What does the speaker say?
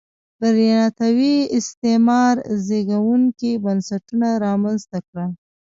برېټانوي استعمار زبېښونکي بنسټونه رامنځته کړل.